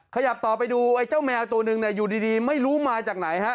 ขยับต่อไปดูไอ้เจ้าแมวตัวหนึ่งอยู่ดีไม่รู้มาจากไหนฮะ